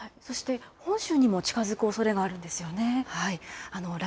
本州にも近づくおそれがあるんですよね。